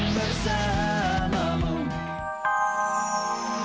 nah mau kalau biput sih